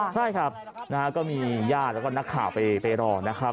ใช่ครับนะฮะก็มีญาติแล้วก็นักข่าวไปรอนะครับ